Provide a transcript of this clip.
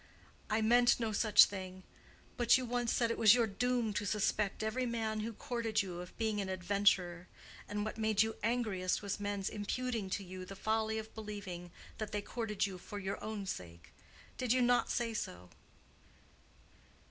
I meant no such thing. But you once said it was your doom to suspect every man who courted you of being an adventurer, and what made you angriest was men's imputing to you the folly of believing that they courted you for your own sake. Did you not say so?"